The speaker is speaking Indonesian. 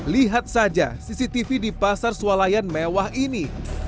lihat saja cctv di pasar sualayan mewah ini